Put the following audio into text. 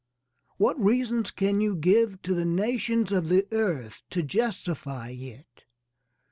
What reasons can you give to the nations of the earth to justify it?